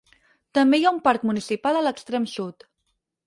També hi ha un parc municipal a l'extrem sud.